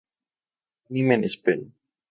Anime en espera".